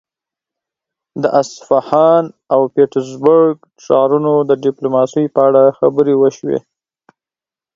د اصفهان او پيترزبورګ ښارونو د ډيپلوماسي په اړه خبرې وشوې.